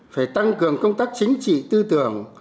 phải tăng cường công tác chính trị tư tưởng